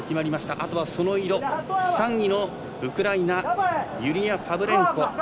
あとはその色、３位のウクライナユリア・パブレンコ。